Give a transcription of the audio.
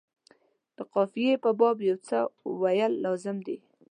د قافیې په باب یو څه ویل لازم دي.